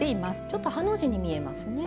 ちょっとハの字に見えますね。